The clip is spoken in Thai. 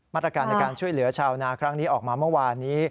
มาตรการในการช่วยเหลือชาวนาครั้งนี้ออกมาเมื่อวานนี้